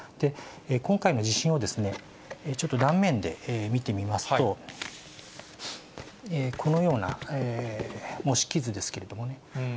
今回の地震をちょっと断面で見てみますと、このような模式図ですけれどもね。